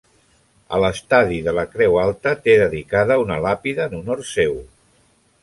A l'estadi de la Creu Alta té dedicada una làpida en honor seu.